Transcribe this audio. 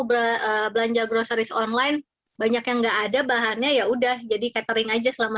belanja groceris online banyak yang enggak ada bahannya ya udah jadi catering aja selama